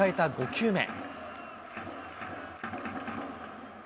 ５球目。